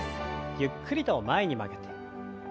ゆっくりと前に曲げて。